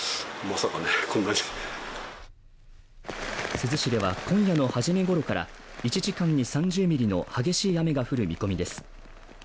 珠洲市では今夜のはじめごろから１時間に３０ミリの激しい雨が降る見込みです。